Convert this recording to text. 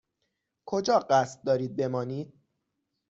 کجا قصد دارید بمانید؟